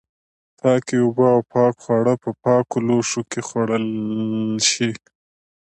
پاکې اوبه او پاک خواړه په پاکو لوښو کې وخوړل شي.